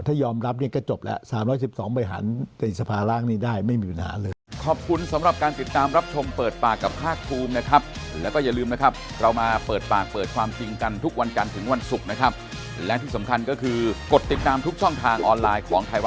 ถ้ายอมรับเนี่ยก็จบแล้ว๓๑๒บริหารในสภาร่างนี้ได้ไม่มีเวลาเลย